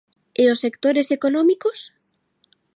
¿E os sectores económicos?